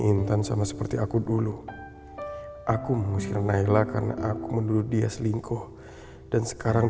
intan sama seperti aku dulu aku mengusir naila karena aku menurut dia selingkuh dan sekarang